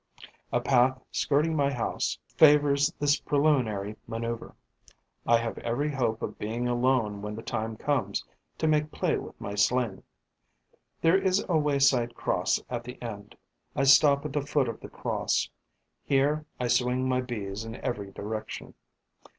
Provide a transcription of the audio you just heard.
A path skirting my house favours this preliminary manoeuvre; I have every hope of being alone when the time comes to make play with my sling. There is a way side cross at the end; I stop at the foot of the cross. Here I swing my Bees in every direction.